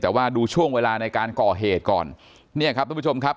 แต่ว่าดูช่วงเวลาในการก่อเหตุก่อนเนี่ยครับทุกผู้ชมครับ